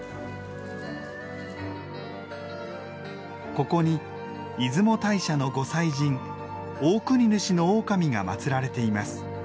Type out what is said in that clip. ここに出雲大社のご祭神オオクニヌシノオオカミが祀られています。